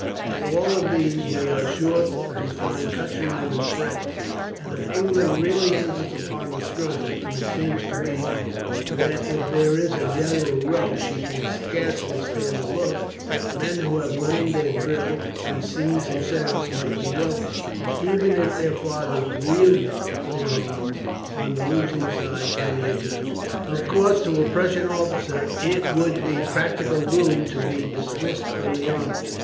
At all of these we are sure to find countrymen and friends, and if England really enters upon the struggle and it seems to me that if there is a general row she can scarcely stand aloof men who have learned their drill and seen some service might be welcomed, even if their fathers wielded their arms on the losing side, ten years ago. "Of course, to a Prussian officer it would be practical ruin to be dismissed from the army.